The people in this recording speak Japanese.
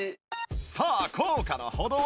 さあ効果の程は？